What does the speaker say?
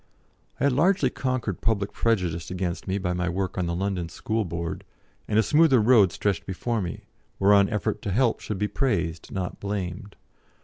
I had largely conquered public prejudice against me by my work on the London School Board, and a smoother road stretched before me, whereon effort to help should be praised not blamed.